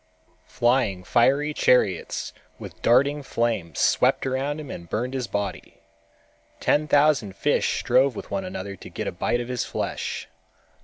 Flying fiery chariots with darting flames swept around him and burned his body. Ten thousand fish strove with one another to get a bite of his flesh.